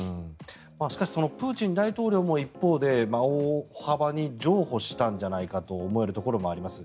しかし、プーチン大統領も一方で大幅に譲歩したんじゃないかと思えるところもあります。